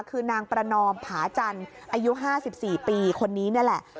คือนางประนอมผาจันทร์อายุ๕๔ปีคนนี้นี่แหละ